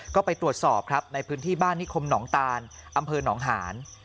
ก็ไปตรวจสอบครับในพื้นที่บ้านนิคมหนองตานอำเภอหนองหาน